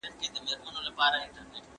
خلک د ارغنداب سیند سره ژوره مینه لري.